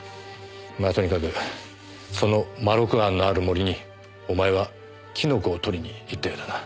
まあとにかくそのまろく庵のある森にお前はキノコを採りに行ったようだな。